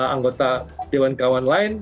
anggota dewan kewanan lain